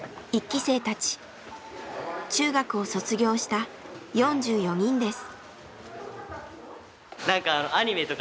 中学を卒業した４４人です。